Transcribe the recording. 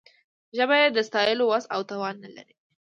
ژبه یې د ستایلو وس او توان نه لري.